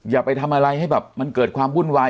อย่าไปทำอะไรให้แบบมันเกิดความวุ่นวาย